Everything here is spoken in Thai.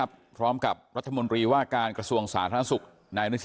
พร้อมกับรัฐมนธรรมดรีว่าการกระสวงสาธารณสุขนายนทิชชาณวิรากูล